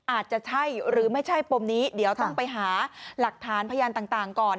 อาจจะใช่หรือไม่ใช่ปมนี้เดี๋ยวต้องไปหาหลักฐานพยานต่างก่อน